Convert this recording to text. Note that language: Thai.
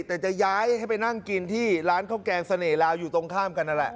แต่จะย้ายให้ไปนั่งกินที่ร้านข้าวแกงเสน่หลาวอยู่ตรงข้ามกันนั่นแหละ